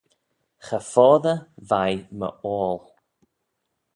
Cha foddey veih my oayl.